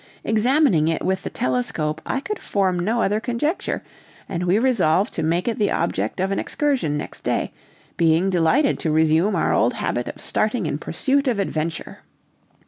Examining it with the telescope, I could form no other conjecture, and we resolved to make it the object of an excursion next day, being delighted to resume our old habit of starting in pursuit of adventure.